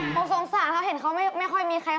เขาสงสารเขาเห็นเขาไม่ค่อยมีใคร